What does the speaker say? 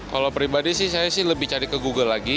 kalau pribadi sih saya sih lebih cari ke google lagi